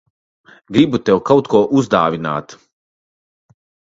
Gribu tev kaut ko uzdāvināt.